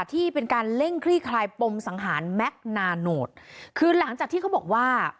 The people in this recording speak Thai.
ที่เป็นการเร่งคลี่คลายปมสังหารแม็กซ์นาโนตคือหลังจากที่เขาบอกว่า